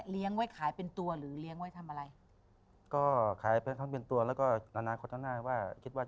ปลาเลี้ยงไว้ขายเป็นตัวหรือเลี้ยงไว้ทำอะไร